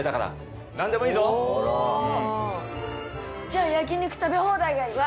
じゃあ焼肉食べ放題がいい！